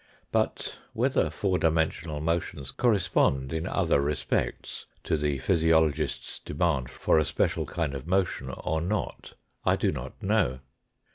But whether four dimensional motions correspond in other respects to the physiologist's demand for a special kind of motion, or not, I do not know.